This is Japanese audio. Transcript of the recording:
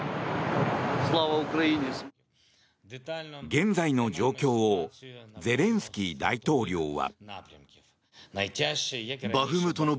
現在の状況をゼレンスキー大統領は。